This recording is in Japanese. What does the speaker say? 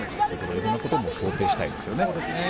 いろいろなことを想定したいですね。